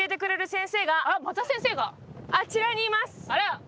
あれ？